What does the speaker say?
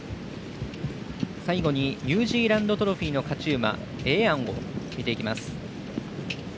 最後にニュージーランドトロフィーの勝ち馬エエヤンを見ていきます。